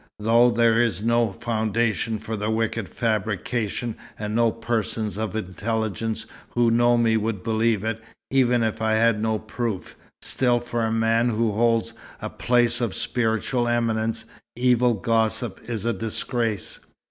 Though there is no foundation for the wicked fabrication, and no persons of intelligence who know me would believe it, even if I had no proof, still for a man who holds a place of spiritual eminence, evil gossip is a disgrace."